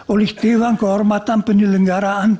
oleh dewan kehormatan penyelenggaraan